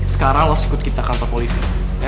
sekarang lo harus ikut kita ke kantor polisi